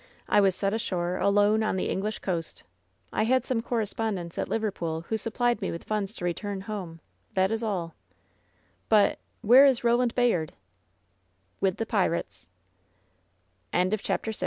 I was set ashore, alone, on the Eng lish coast. I had some correspondents at Liverpool, who supplied me with funds to return home. That is all.'* "But — ^where is Roland Bayard?"